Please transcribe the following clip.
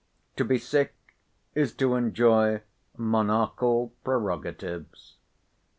To be sick is to enjoy monarchal prerogatives.